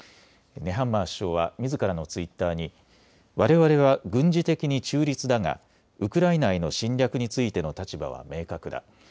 ネハンマー首相はみずからのツイッターにわれわれは軍事的に中立だがウクライナへの侵略についての立場は明確だ。